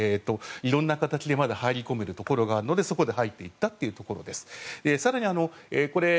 いろんな形で入り込めるところがあるのでそこで入っていったというところです。